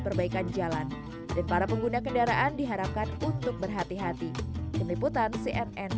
perbaikan jalan dan para pengguna kendaraan diharapkan untuk berhati hati keliputan cnn